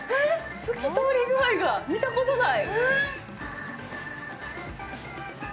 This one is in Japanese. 透き通り具合が見たことない！